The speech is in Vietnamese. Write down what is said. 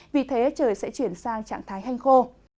vì thế trời sẽ chuyển sang trạng thái hanh khô